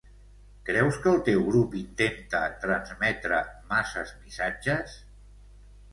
Creus que el teu grup intenta transmetre masses missatges?